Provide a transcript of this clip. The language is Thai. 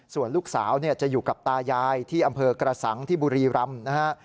ส่วนลูกสาวจะอยู่กับตายายที่อำเภอกระสังที่บุรีรำนะฮะ